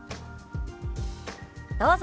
どうぞ。